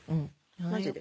マジで？